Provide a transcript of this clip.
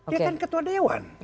dia kan ketua dewan